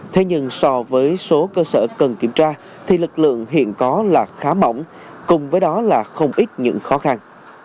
thế nhưng so với số cơ sở cần kiểm tra thì lực lượng hiện có là khá mỏng cùng với đó là không ít những khó khăn